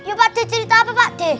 ya pakde cerita apa pakde